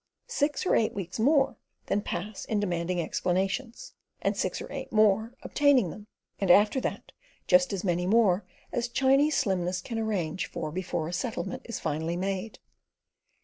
Six or eight weeks more then pass in demanding explanations, and six or eight more obtaining them, and after that just as many more as Chinese slimness can arrange for before a settlement is finally made.